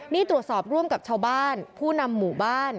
นี่ตรวจสอบร่วมกับชาวบ้านผู้นำหมู่บ้าน